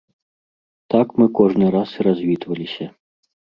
Так мы кожны раз і развітваліся.